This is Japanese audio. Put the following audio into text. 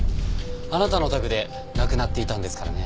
あなたのお宅で亡くなっていたんですからね。